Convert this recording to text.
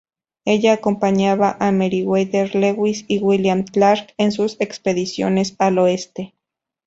Ella acompañaba a Meriwether Lewis y William Clark en sus expediciones al oeste.